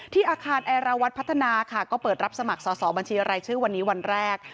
ที่อาคารแอร์ลาวัดพัฒนาค่ะก็เปิดรับสมัครสอบสบชรชวันนี้วันแรก